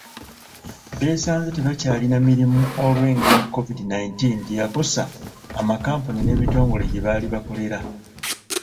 Beesanze tebakyalina mirimu olwe ngeri COVID nineteen gye yakosa amakampuni ne bitongole gye baali bakolera.